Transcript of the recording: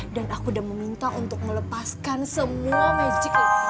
dan aku udah meminta untuk melepaskan semua magic